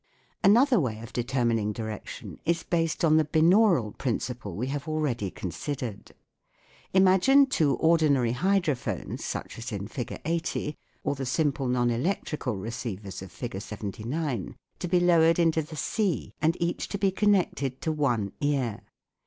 Another way of determining direction is based on the binaural principle we have already con sidered. Imagine two ordinary hydrophones (such as in Fig. 80, or the simple non electrical receivers of Fig. 79) to be lowered into the sea, and each to be connected to one ear.